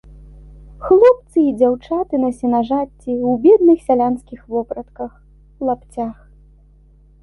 Хлопцы і дзяўчаты на сенажаці ў бедных сялянскіх вопратках, у лапцях.